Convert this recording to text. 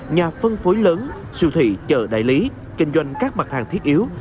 nhà phân phối lớn siêu thị chợ đại lý kinh doanh các mặt hàng thiết yếu